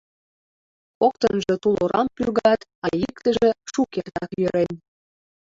Коктынжо тулорам пӱргат, а иктыже шукертак йӧрен.